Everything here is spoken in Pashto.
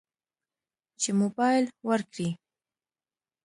چې موبایل ورکړي.